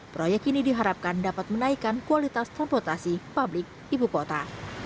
proyek ini diharapkan dapat menaikkan kualitas transportasi publik ibu kota